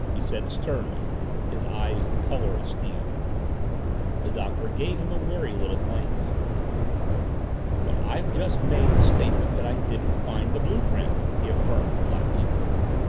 he said sternly, his eyes the color of steel. The Doctor gave him a wary little glance. "But I've just made the statement that I didn't find the blue print," he affirmed flatly.